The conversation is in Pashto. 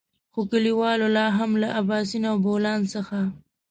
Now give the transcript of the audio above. خو کليوالو لاهم له اباسين او بولان څخه.